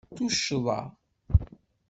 Tuccḍa!